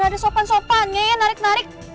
ada sopan sopannya ya narik narik